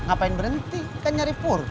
ngapain berhenti kan nyari pur